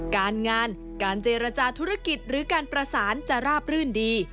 การงานการเจรจาธุรกิจหรือการประสานจะราบรื่นดี